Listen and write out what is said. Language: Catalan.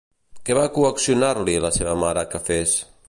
Què va coaccionar-li la seva mare que fes?